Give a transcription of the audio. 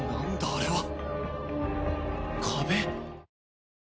あれは」